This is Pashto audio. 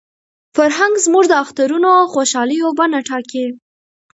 فرهنګ زموږ د اخترونو او خوشالیو بڼه ټاکي.